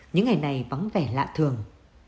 những ngày này vắng vẻ lạ thường